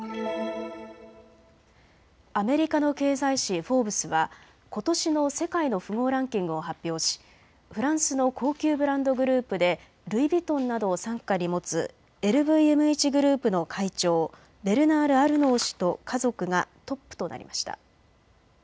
アメリカの経済誌、フォーブスはことしの世界の富豪ランキングを発表しフランスの高級ブランドグループでルイ・ヴィトンなどを傘下に持つＬＶＭＨグループの会長、ベルナール・アルノー氏と家族がトップとなりました。